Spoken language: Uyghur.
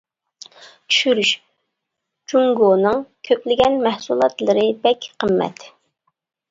چۈشۈرۈش جۇڭگونىڭ كۆپلىگەن مەھسۇلاتلىرى بەك قىممەت.